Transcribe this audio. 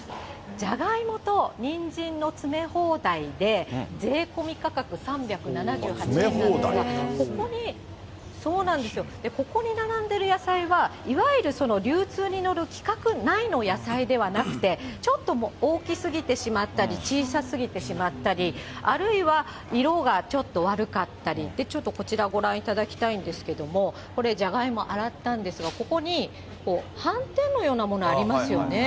ジャガイモとニンジンの詰め放題で、税込み価格３７８円なんですが、ここに並んでる野菜は、いわゆる流通に乗る規格内の野菜ではなくて、ちょっと大きすぎてしまったり、小さすぎてしまったり、あるいは色がちょっと悪かったり、ちょっとこちらご覧いただきたいんですけれども、これ、ジャガイモ、洗ったんですが、ここにはん点のようなものありますよね。